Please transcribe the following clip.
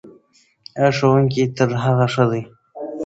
دا ښوونځی تر هغه ښه ده.